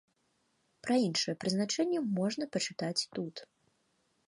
Пра іншыя прызначэнні можна пачытаць тут.